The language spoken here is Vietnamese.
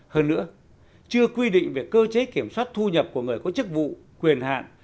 hơn nữa chưa quy định về cơ chế kiểm soát thu nhập của người có chức vụ quyền hạn